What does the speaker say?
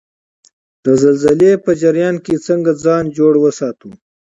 د زلزلې په جریان کې څنګه ځان جوړ وساتو؟